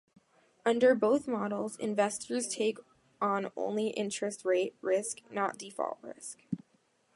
Under both models, investors take on only interest-rate risk, not default risk.